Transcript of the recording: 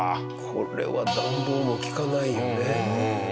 これは暖房も利かないよね。